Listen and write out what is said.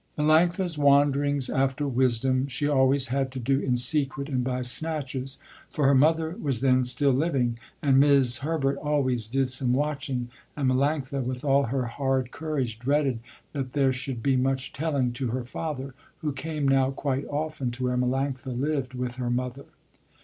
Melanctha's wanderings after wisdom she always had to do in secret and by snatches, for her mother was then still living and 'Mis' Herbert always did some watching, and Melanctha with all her hard courage dreaded that there should be much telling to her father, who came now quite often to where Melanctha lived with her mother.